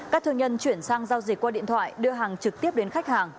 các thương nhân chuyển sang giao dịch qua điện thoại đưa hàng trực tiếp đến khách hàng